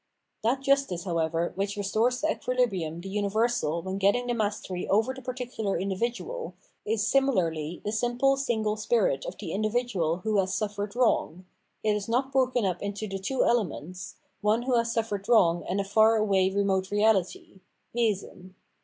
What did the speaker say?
s(/^That justice, however, which restores to equilibrium the universal when getting the mastery over the par ticular individual, is similarly the simple single spirit of the individual who has suffered wrong ; it is not broken up into the two elements, one who has suffered * Cp. p. 412 If. 457 The Ethical World wrong and a far away remote reality (Weseri).